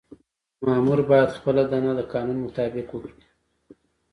مامور باید خپله دنده د قانون مطابق وکړي.